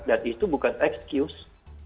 jadi itu bukan excuse